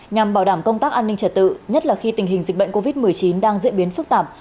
nhằm bảo đảm công tác an ninh trật tự nhất là khi tình hình dịch bệnh covid một mươi chín đang diễn biến phức tạp